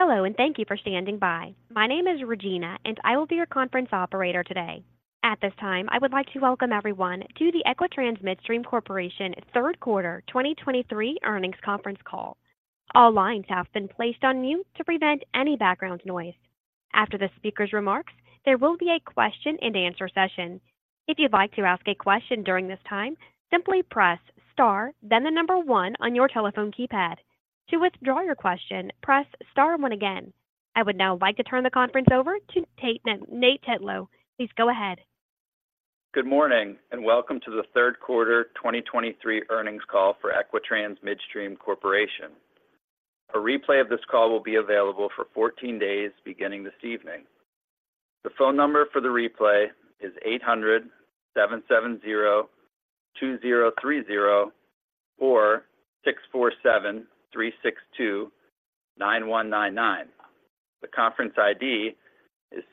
Hello, and thank you for standing by. My name is Regina, and I will be your conference operator today. At this time, I would like to welcome everyone to the Equitrans Midstream Corporation third quarter 2023 earnings conference call. All lines have been placed on mute to prevent any background noise. After the speaker's remarks, there will be a question-and-answer session. If you'd like to ask a question during this time, simply press Star, then the number one on your telephone keypad. To withdraw your question, press Star one again. I would now like to turn the conference over to Nate Tetlow. Please go ahead. Good morning, and welcome to the third quarter 2023 earnings call for Equitrans Midstream Corporation. A replay of this call will be available for 14 days, beginning this evening. The phone number for the replay is 800-770-2030 or 647-362-9199. The conference ID is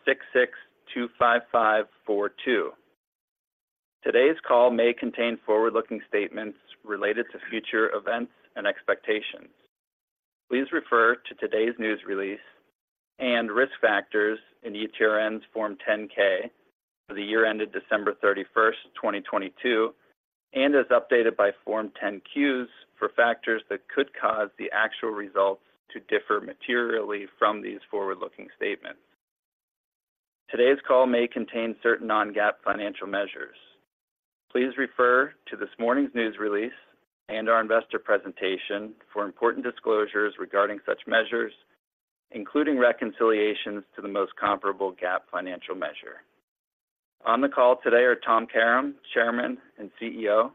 6625542. Today's call may contain forward-looking statements related to future events and expectations. Please refer to today's news release and risk factors in ETRN's Form 10-K for the year ended December 31, 2022, and as updated by Form 10-Qs for factors that could cause the actual results to differ materially from these forward-looking statements. Today's call may contain certain non-GAAP financial measures. Please refer to this morning's news release and our investor presentation for important disclosures regarding such measures, including reconciliations to the most comparable GAAP financial measure. On the call today are Tom Karam, Chairman and CEO,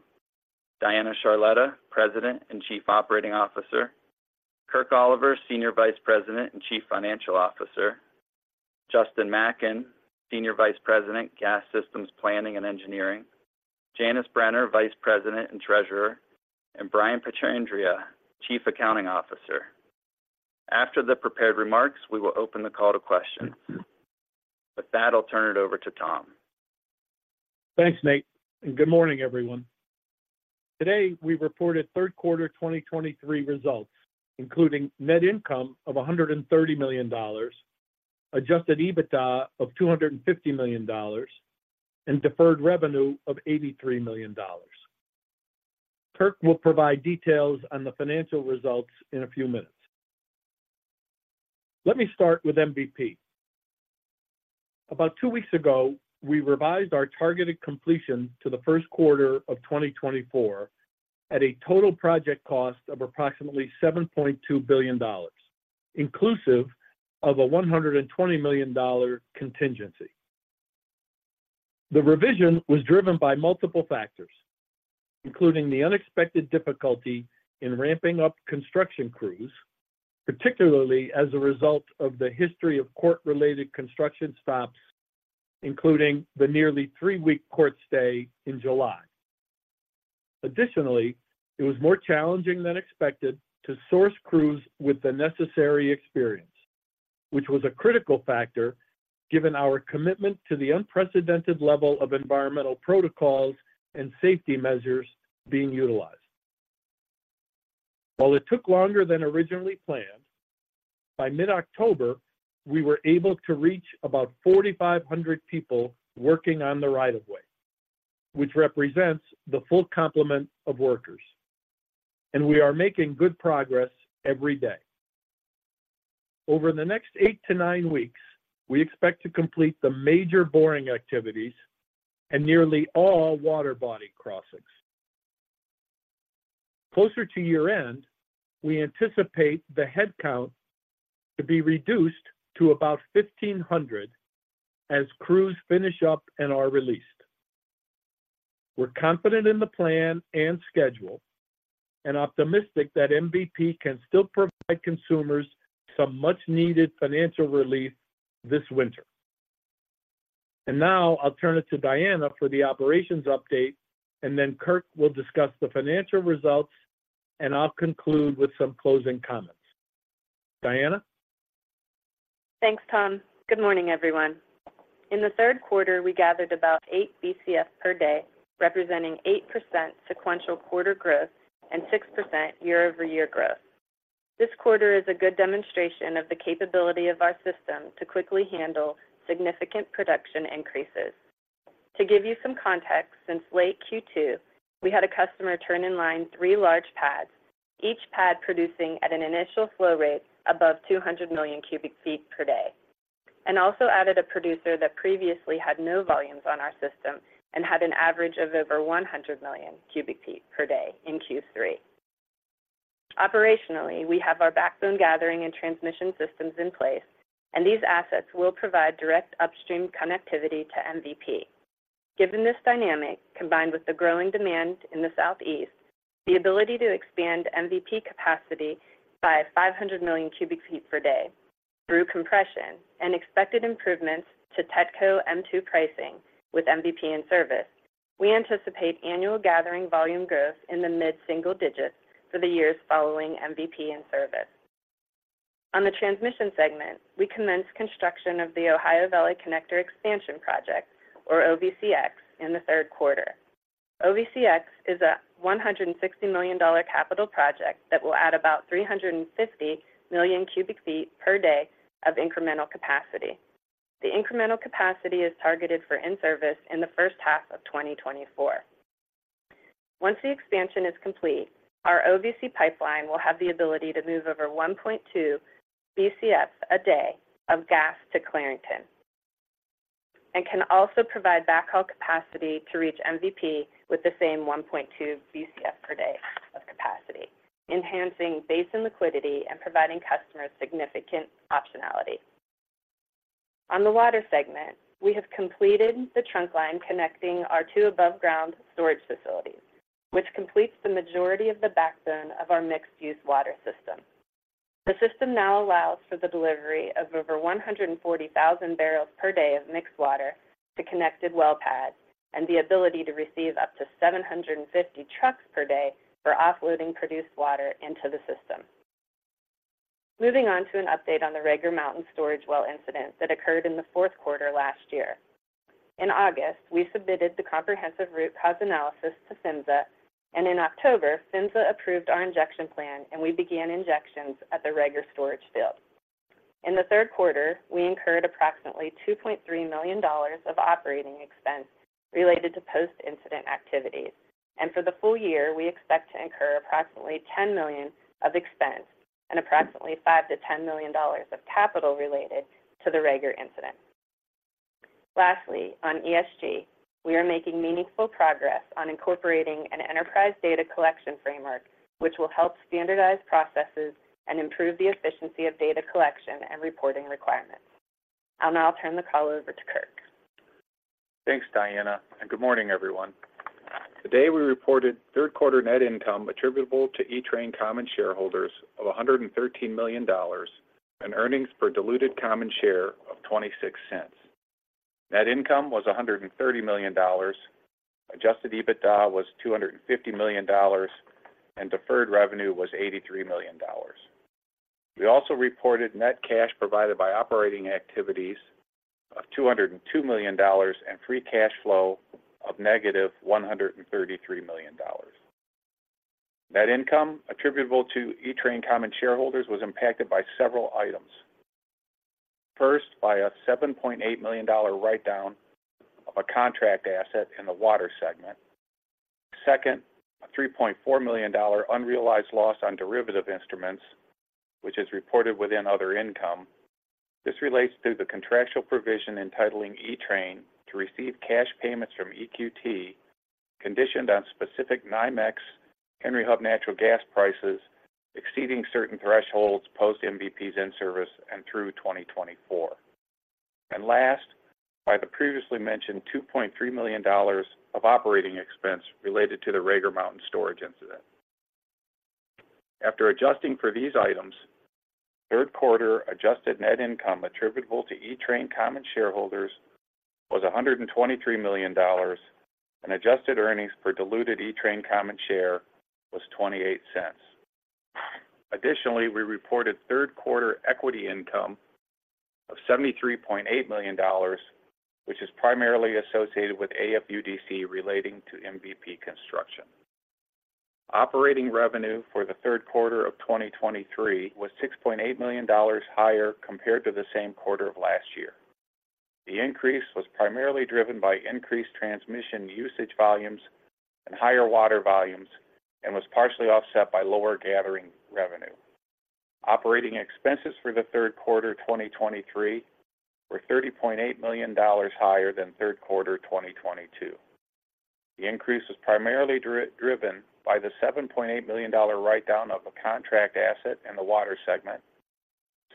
Diana Charletta, President and Chief Operating Officer, Kirk Oliver, Senior Vice President and Chief Financial Officer, Justin Macken, Senior Vice President, Gas Systems Planning and Engineering, Janice Brenner, Vice President and Treasurer, and Brian Pietrandrea, Chief Accounting Officer. After the prepared remarks, we will open the call to questions. With that, I'll turn it over to Tom. Thanks, Nate, and good morning, everyone. Today, we reported third quarter 2023 results, including net income of $130 million, Adjusted EBITDA of $250 million, and deferred revenue of $83 million. Kirk will provide details on the financial results in a few minutes. Let me start with MVP. About two weeks ago, we revised our targeted completion to the first quarter of 2024 at a total project cost of approximately $7.2 billion, inclusive of a $120 million contingency. The revision was driven by multiple factors, including the unexpected difficulty in ramping up construction crews, particularly as a result of the history of court-related construction stops, including the nearly three-week court stay in July. Additionally, it was more challenging than expected to source crews with the necessary experience, which was a critical factor given our commitment to the unprecedented level of environmental protocols and safety measures being utilized. While it took longer than originally planned, by mid-October, we were able to reach about 4,500 people working on the right of way, which represents the full complement of workers, and we are making good progress every day. Over the next 8-9 weeks, we expect to complete the major boring activities and nearly all water body crossings. Closer to year-end, we anticipate the headcount to be reduced to about 1,500 as crews finish up and are released. We're confident in the plan and schedule and optimistic that MVP can still provide consumers some much-needed financial relief this winter. Now I'll turn it to Diana for the operations update, and then Kirk will discuss the financial results, and I'll conclude with some closing comments. Diana? Thanks, Tom. Good morning, everyone. In the third quarter, we gathered about 8 BCF per day, representing 8% sequential quarter growth and 6% year-over-year growth. This quarter is a good demonstration of the capability of our system to quickly handle significant production increases. To give you some context, since late Q2, we had a customer turn in line 3 large pads, each pad producing at an initial flow rate above 200 million cubic feet per day, and also added a producer that previously had no volumes on our system and had an average of over 100 million cubic feet per day in Q3. Operationally, we have our backbone gathering and transmission systems in place, and these assets will provide direct upstream connectivity to MVP. Given this dynamic, combined with the growing demand in the Southeast, the ability to expand MVP capacity by 500 million cubic feet per day through compression and expected improvements to TETCO M2 pricing with MVP in service, we anticipate annual gathering volume growth in the mid-single digits for the years following MVP in service. On the transmission segment, we commenced construction of the Ohio Valley Connector Expansion Project, or OVCX, in the third quarter. OVCX is a $160 million capital project that will add about 350 million cubic feet per day of incremental capacity. The incremental capacity is targeted for in-service in the first half of 2024. Once the expansion is complete, our OVC pipeline will have the ability to move over 1.2 BCF a day of gas to Clarington, and can also provide backhaul capacity to reach MVP with the same 1.2 BCF per day of capacity, enhancing basin liquidity and providing customers significant optionality. On the water segment, we have completed the trunk line connecting our two above-ground storage facilities, which completes the majority of the backbone of our mixed-use water system. The system now allows for the delivery of over 140,000 barrels per day of mixed water to connected well pads and the ability to receive up to 750 trucks per day for offloading produced water into the system. Moving on to an update on the Rager Mountain storage well incident that occurred in the fourth quarter last year. In August, we submitted the comprehensive root cause analysis to PHMSA, and in October, PHMSA approved our injection plan, and we began injections at the Rager storage field. In the third quarter, we incurred approximately $2.3 million of operating expense related to post-incident activities, and for the full year, we expect to incur approximately $10 million of expense and approximately $5-$10 million of capital related to the Rager incident. Lastly, on ESG, we are making meaningful progress on incorporating an enterprise data collection framework, which will help standardize processes and improve the efficiency of data collection and reporting requirements. I'll now turn the call over to Kirk. Thanks, Diana, and good morning, everyone. Today, we reported third quarter net income attributable to ETRN common shareholders of $113 million and earnings per diluted common share of $0.26. Net income was $130 million, Adjusted EBITDA was $250 million, and Deferred Revenue was $83 million. We also reported net cash provided by operating activities of $202 million and Free Cash Flow of -$133 million. Net income attributable to ETRN common shareholders was impacted by several items. First, by a $7.8 million write-down of a contract asset in the water segment. Second, a $3.4 million unrealized loss on derivative instruments, which is reported within other income. This relates to the contractual provision entitling ETRN to receive cash payments from EQT, conditioned on specific NYMEX Henry Hub natural gas prices exceeding certain thresholds post MVP's in-service and through 2024. And last, by the previously mentioned $2.3 million of operating expense related to the Rager Mountain storage incident. After adjusting for these items, third quarter adjusted net income attributable to ETRN common shareholders was $123 million, and adjusted earnings per diluted ETRN common share was $0.28. Additionally, we reported third quarter equity income of $73.8 million, which is primarily associated with AFUDC relating to MVP construction. Operating revenue for the third quarter of 2023 was $6.8 million higher compared to the same quarter of last year. The increase was primarily driven by increased transmission usage volumes and higher water volumes and was partially offset by lower gathering revenue. Operating expenses for the third quarter 2023 were $30.8 million higher than third quarter 2022. The increase was primarily driven by the $7.8 million write-down of a contract asset in the water segment,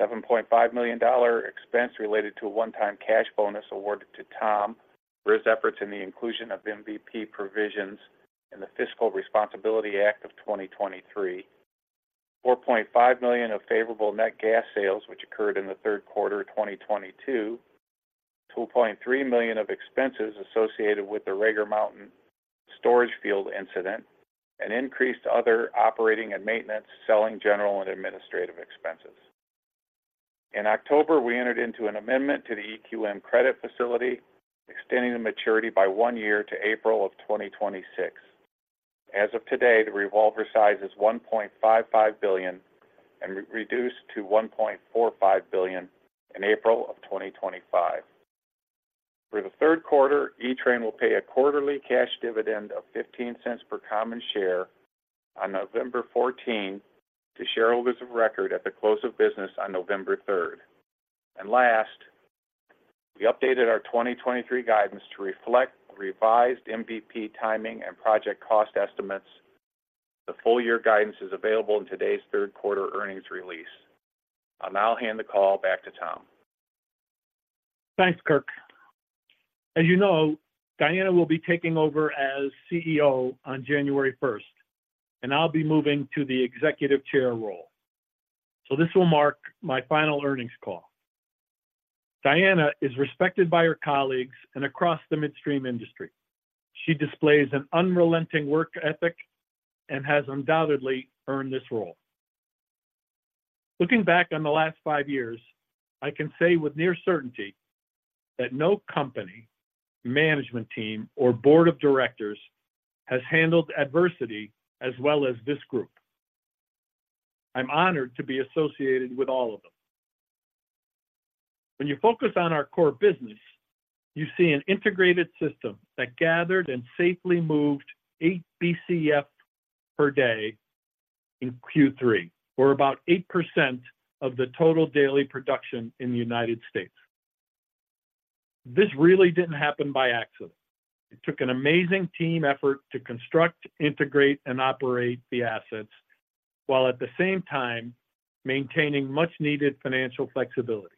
$7.5 million expense related to a one-time cash bonus awarded to Tom for his efforts in the inclusion of MVP provisions in the Fiscal Responsibility Act of 2023, $4.5 million of favorable net gas sales, which occurred in the third quarter of 2022, $2.3 million of expenses associated with the Rager Mountain storage field incident, and increased other operating and maintenance, selling, general and administrative expenses. In October, we entered into an amendment to the EQM credit facility, extending the maturity by one year to April of 2026. As of today, the revolver size is $1.55 billion and reduced to $1.45 billion in April of 2025. For the third quarter, ETRN will pay a quarterly cash dividend of $0.15 per common share on November fourteenth to shareholders of record at the close of business on November third. Last, we updated our 2023 guidance to reflect revised MVP timing and project cost estimates. The full year guidance is available in today's third quarter earnings release. I'll now hand the call back to Tom. Thanks, Kirk. As you know, Diana will be taking over as CEO on January first, and I'll be moving to the executive chair role. This will mark my final earnings call. Diana is respected by her colleagues and across the midstream industry. She displays an unrelenting work ethic and has undoubtedly earned this role. Looking back on the last five years, I can say with near certainty that no company, management team, or board of directors has handled adversity as well as this group. I'm honored to be associated with all of them. When you focus on our core business, you see an integrated system that gathered and safely moved 8 BCF per day in Q3, or about 8% of the total daily production in the United States. This really didn't happen by accident. It took an amazing team effort to construct, integrate, and operate the assets, while at the same time maintaining much needed financial flexibility.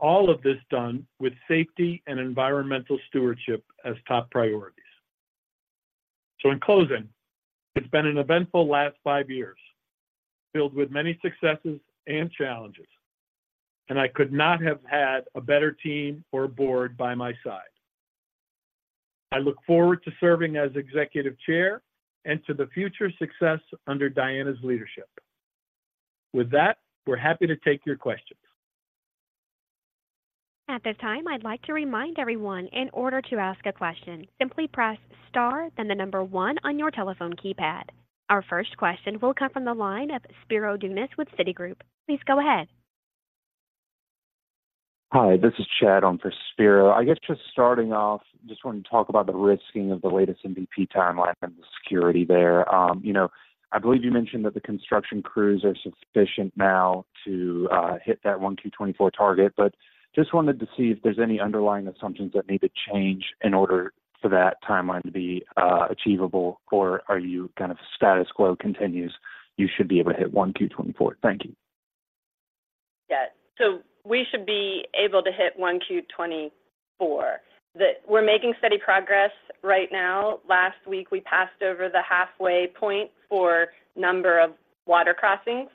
All of this done with safety and environmental stewardship as top priorities. In closing, it's been an eventful last five years, filled with many successes and challenges, and I could not have had a better team or board by my side. I look forward to serving as executive chair and to the future success under Diana's leadership. With that, we're happy to take your questions. At this time, I'd like to remind everyone, in order to ask a question, simply press star, then the number one on your telephone keypad. Our first question will come from the line of Spiro Dounis with Citigroup. Please go ahead. Hi, this is Chad on for Spiro. I guess just starting off, just wanted to talk about the risking of the latest MVP timeline and the security there. You know, I believe you mentioned that the construction crews are sufficient now to hit that 1Q 2024 target, but just wanted to see if there's any underlying assumptions that need to change in order for that timeline to be achievable, or are you kind of status quo continues, you should be able to hit 1Q 2024? Thank you. Yeah. So we should be able to hit 1Q 2024. We're making steady progress right now. Last week, we passed over the halfway point for number of water crossings.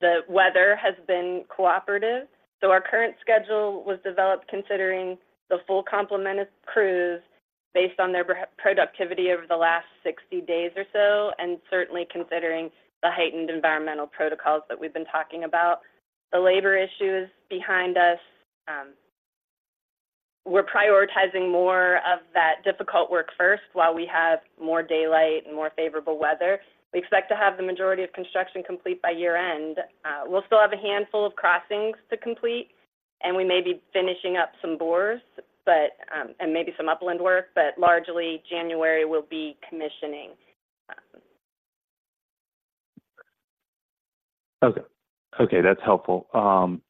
The weather has been cooperative, so our current schedule was developed considering the full complement of crews based on their productivity over the last 60 days or so, and certainly considering the heightened environmental protocols that we've been talking about. The labor issue is behind us. We're prioritizing more of that difficult work first, while we have more daylight and more favorable weather. We expect to have the majority of construction complete by year-end. We'll still have a handful of crossings to complete, and we may be finishing up some bores, but and maybe some upland work, but largely, January will be commissioning. Okay. Okay, that's helpful.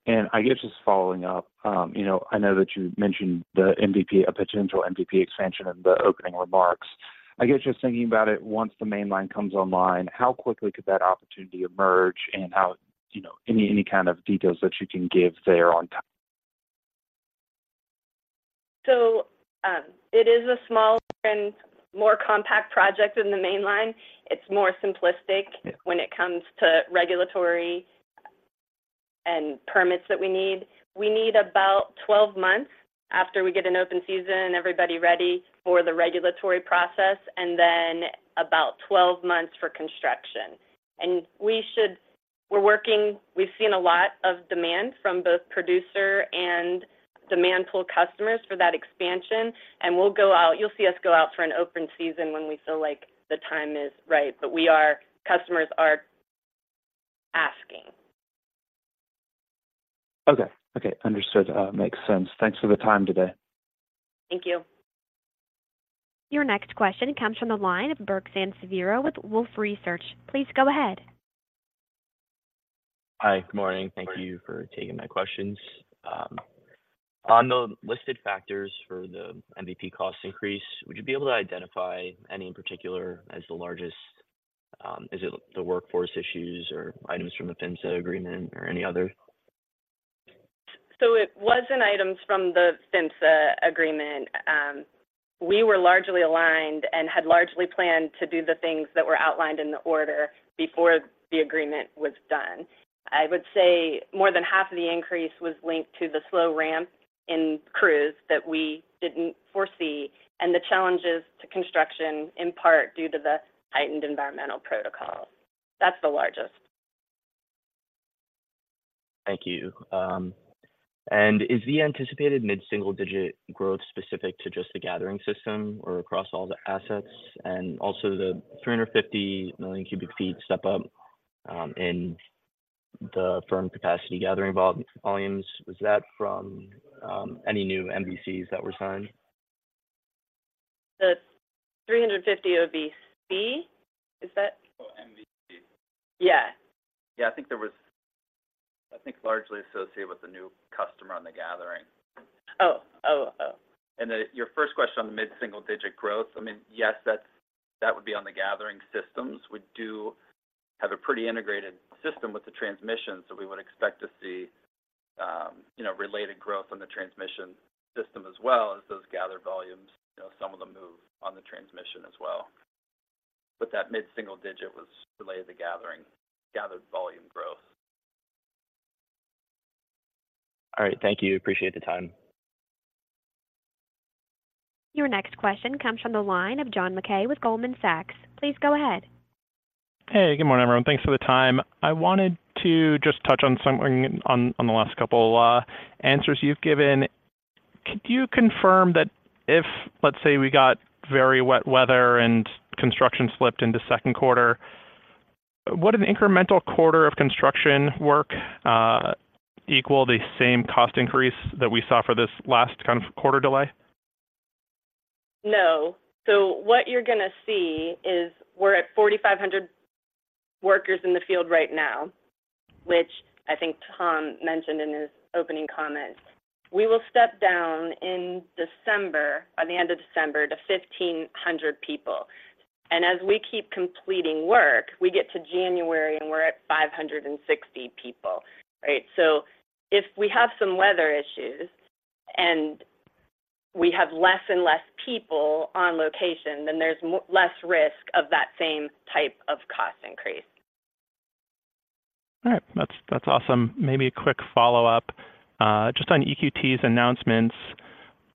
And I guess just following up, you know, I know that you mentioned the MVP, a potential MVP expansion in the opening remarks. I guess just thinking about it, once the mainline comes online, how quickly could that opportunity emerge, and how, you know, any kind of details that you can give there on time? It is a smaller and more compact project than the mainline. It's more simplistic when it comes to regulatory and permits that we need. We need about 12 months after we get an open season and everybody ready for the regulatory process, and then about 12 months for construction. And we're working. We've seen a lot of demand from both producer and demand pool customers for that expansion, and we'll go out. You'll see us go out for an open season when we feel like the time is right. But customers are asking. Okay. Okay, understood. Makes sense. Thanks for the time today. Thank you. Your next question comes from the line of Burke Sansiviero with Wolfe Research. Please go ahead. Hi, good morning. Morning. Thank you for taking my questions. On the listed factors for the MVP cost increase, would you be able to identify any in particular as the largest? Is it the workforce issues, or items from the PHMSA agreement, or any other? It wasn't items from the PHMSA agreement. We were largely aligned and had largely planned to do the things that were outlined in the order before the agreement was done. I would say more than half of the increase was linked to the slow ramp in crews that we didn't foresee, and the challenges to construction, in part due to the heightened environmental protocol. That's the largest. Thank you. Is the anticipated mid-single-digit growth specific to just the gathering system or across all the assets? And also, the 350 million cubic feet step up in the firm capacity gathering volumes, was that from any new MVCs that were signed? The 350 would be C? Is that- Oh, MVC. Yeah. Yeah, I think largely associated with the new customer on the gathering. Oh, oh, oh. And then your first question on the mid-single digit growth, I mean, yes, that's, that would be on the gathering systems. We do have a pretty integrated system with the transmission, so we would expect to see, you know, related growth on the transmission system as well as those gathered volumes. You know, some of them move on the transmission as well. But that mid-single digit was related to gathering. All right. Thank you. Appreciate the time. Your next question comes from the line of John Mackay with Goldman Sachs. Please go ahead. Hey, good morning, everyone. Thanks for the time. I wanted to just touch on something on, on the last couple answers you've given. Could you confirm that if, let's say, we got very wet weather and construction slipped into second quarter, would an incremental quarter of construction work equal the same cost increase that we saw for this last kind of quarter delay? No. So what you're gonna see is we're at 4,500 workers in the field right now, which I think Tom mentioned in his opening comments. We will step down in December, by the end of December, to 1,500 people. And as we keep completing work, we get to January, and we're at 560 people, right? So if we have some weather issues, and we have less and less people on location, then there's less risk of that same type of cost increase. All right. That's, that's awesome. Maybe a quick follow-up, just on EQT's announcements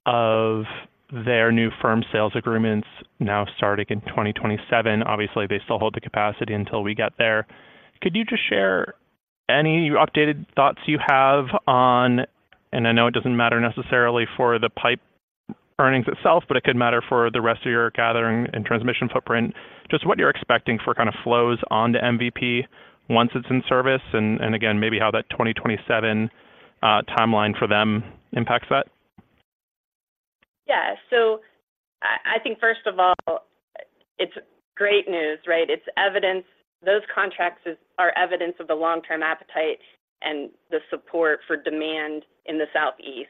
of their new firm sales agreements now starting in 2027. Obviously, they still hold the capacity until we get there. Could you just share any updated thoughts you have on, and I know it doesn't matter necessarily for the pipe earnings itself, but it could matter for the rest of your gathering and transmission footprint, just what you're expecting for kind of flows on the MVP once it's in service, and, and again, maybe how that 2027, timeline for them impacts that? Yeah. So I, I think, first of all, it's great news, right? It's evidence. Those contracts is, are evidence of the long-term appetite and the support for demand in the Southeast.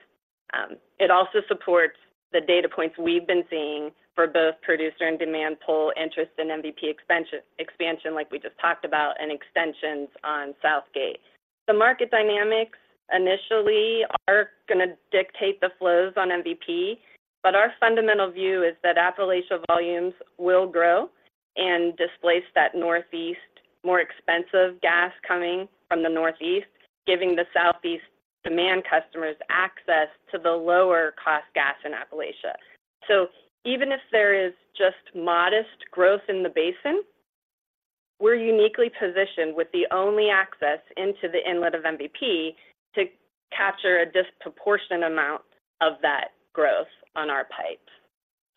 It also supports the data points we've been seeing for both producer and demand pool interest in MVP expansion, expansion like we just talked about, and extensions on Southgate. The market dynamics initially are gonna dictate the flows on MVP, but our fundamental view is that Appalachia volumes will grow and displace that Northeast, more expensive gas coming from the Northeast, giving the Southeast demand customers access to the lower-cost gas in Appalachia. So even if there is just modest growth in the basin, we're uniquely positioned with the only access into the inlet of MVP to capture a disproportionate amount of that growth on our pipe.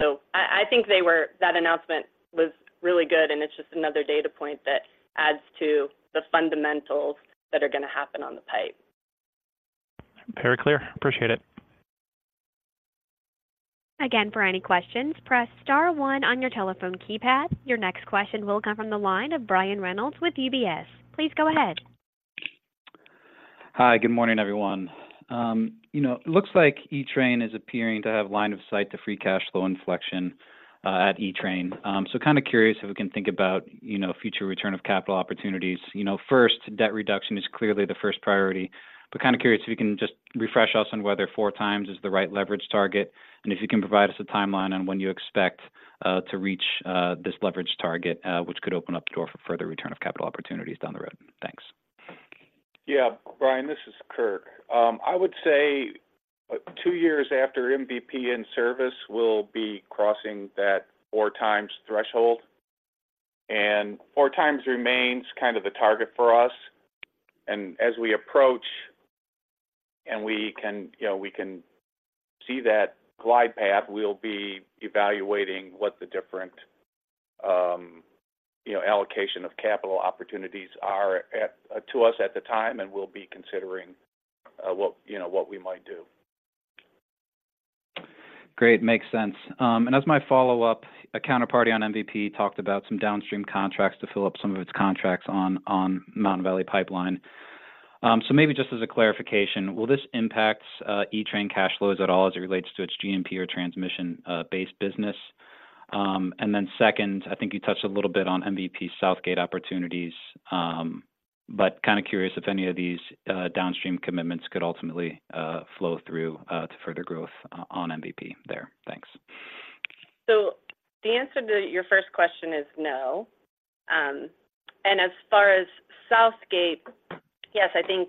So I think that announcement was really good, and it's just another data point that adds to the fundamentals that are gonna happen on the pipe. Very clear. Appreciate it. Again, for any questions, press star one on your telephone keypad. Your next question will come from the line of Brian Reynolds with UBS. Please go ahead. Hi, good morning, everyone. You know, it looks like ETRN is appearing to have line of sight to free cash flow inflection at ETRN. So kind of curious if we can think about, you know, future return of capital opportunities. You know, first, debt reduction is clearly the first priority, but kind of curious if you can just refresh us on whether 4x is the right leverage target, and if you can provide us a timeline on when you expect to reach this leverage target, which could open up the door for further return of capital opportunities down the road. Thanks. Yeah, Brian, this is Kirk. I would say two years after MVP in service, we'll be crossing that 4x threshold, and 4x remains kind of the target for us. And as we approach and we can, you know, we can see that glide path, we'll be evaluating what the different, you know, allocation of capital opportunities are at, to us at the time, and we'll be considering, what, you know, what we might do. Great. Makes sense. As my follow-up, a counterparty on MVP talked about some downstream contracts to fill up some of its contracts on, on Mountain Valley Pipeline. Maybe just as a clarification, will this impact ETRN cash flows at all as it relates to its EQM or transmission based business? Second, I think you touched a little bit on MVP Southgate opportunities, but kind of curious if any of these downstream commitments could ultimately flow through to further growth on MVP there. Thanks. So the answer to your first question is no. And as far as Southgate, yes, I think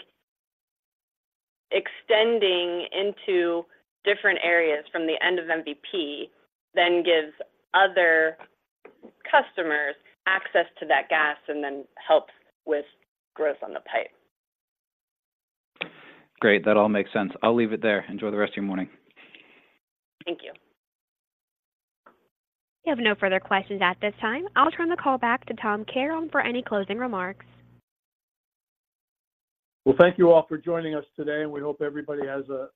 extending into different areas from the end of MVP then gives other customers access to that gas and then helps with growth on the pipe. Great. That all makes sense. I'll leave it there. Enjoy the rest of your morning. Thank you. You have no further questions at this time. I'll turn the call back to Tom Karam for any closing remarks. Well, thank you all for joining us today, and we hope everybody has a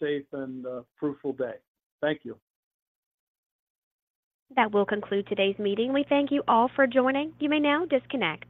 safe and fruitful day. Thank you. That will conclude today's meeting. We thank you all for joining. You may now disconnect.